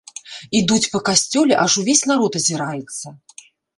Ідуць па касцёле, аж увесь народ азіраецца!